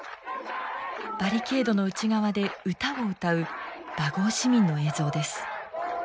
バリケードの内側で歌を歌うバゴー市民の映像です。